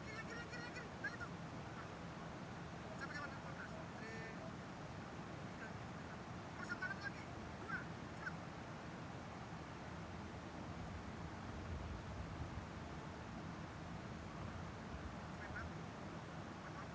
jangan lupa untuk berlangganan dan berlangganan